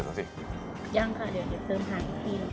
ยังค่ะเดี๋ยวเติมหางกะทิ